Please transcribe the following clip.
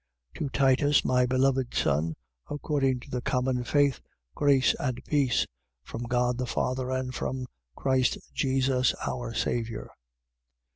To Titus, my beloved son according to the common faith, grace and peace, from God the Father and from Christ Jesus our Saviour.